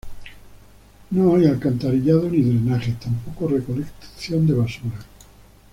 No hay alcantarillado ni drenajes, tampoco recolecta de basura.